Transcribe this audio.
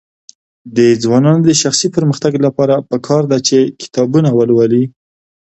د ځوانانو د شخصي پرمختګ لپاره پکار ده چې کتابونه ولولي.